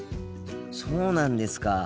そうなんですか。